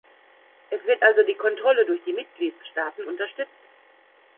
Es wird also die Kontrolle durch die Mitgliedstaaten unterstützt.